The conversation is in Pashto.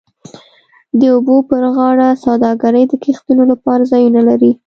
د اوبو پر غاړه سوداګرۍ د کښتیو لپاره ځایونه لري